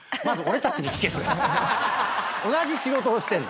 同じ仕事をしてんだ。